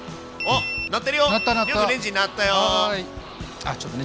あっちょっとね